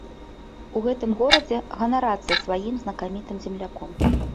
У гэтым горадзе ганарацца сваім знакамітым земляком.